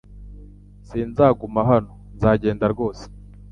Sinzaguma hano; Nzagenda rwose